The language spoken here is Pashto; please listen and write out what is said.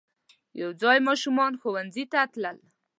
یو ځای ماشومان ښوونځی ته تلل.